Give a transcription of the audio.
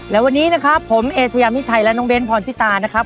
และวันนี้นะครับผมเอเชยามิชัยและน้องเบ้นพรชิตานะครับ